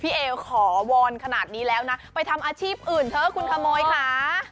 พี่เอ๋อ็อขอวอนขนาดนี้แล้วนะไปทำอาชีพอื่นเถอะคุณหาบอยเจ้า